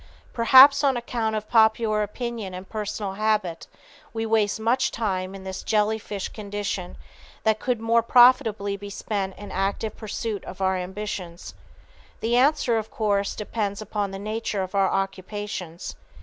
Perhaps on account of popular opinion and personal habit, we waste much time in this jelly fish condition that could more profitably be spent in active pursuit of our ambitions. The answer, of course, depends upon the nature of our occupations.